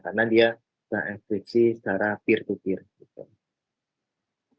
karena dia terinspeksi secara peer to peer gitu